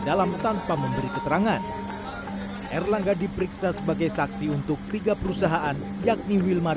dalam tanpa memberi keterangan erlangga diperiksa sebagai saksi untuk tiga perusahaan yakni wilmar